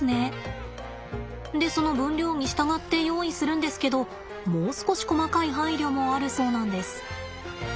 でその分量に従って用意するんですけどもう少し細かい配慮もあるそうなんです。